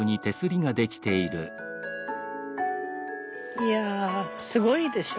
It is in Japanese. いやすごいでしょ。